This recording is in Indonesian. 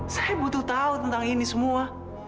saya butuh tahu tentang ini semua